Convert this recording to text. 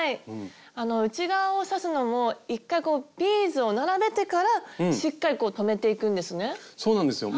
あの内側を刺すのも１回こうビーズを並べてからしっかりこう留めていくんですね。